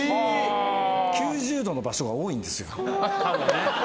９０度の場所が多いんですよ。